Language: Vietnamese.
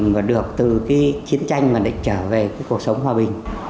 và được từ cái chiến tranh mà định trở về cuộc sống hòa bình